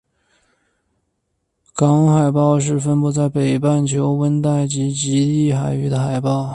港海豹是分布在北半球温带及极地海域的海豹。